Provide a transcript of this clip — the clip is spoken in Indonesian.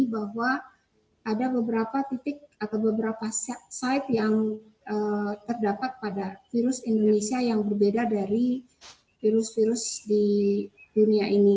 bahwa ada beberapa titik atau beberapa site yang terdapat pada virus indonesia yang berbeda dari virus virus di dunia ini